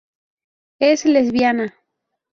Es lesbiana.